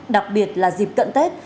đặc biệt là dịp cận tết